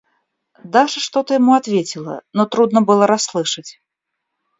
Даша что-то ему ответила, но трудно было расслышать.